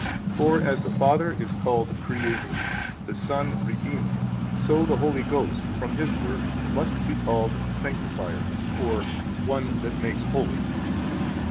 For as the Father is called Creator, the Son Redeemer, so the Holy Ghost, from His work, must be called Sanctifier, or One that makes holy.